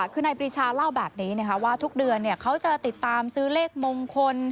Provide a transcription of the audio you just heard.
คือนายปรีชาเล่าแบบนี้นะคะว่าทุกเดือนเขาจะติดตามซื้อเลขมงคล